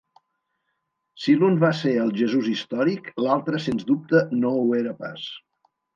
Si l'un va ser el Jesús històric, l'altre sens dubte no ho era pas.